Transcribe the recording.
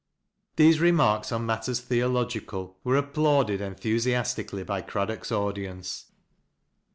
" These remarks upon matters theological were applauded enthusiastically by Craddock's audience.